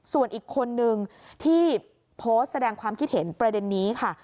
ส่วนอีกคนนึงที่โพสต์แสดงความคิดเห็นประเด็นนี้ค่ะ